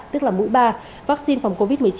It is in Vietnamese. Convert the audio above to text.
tức là mũi ba vaccine phòng covid một mươi chín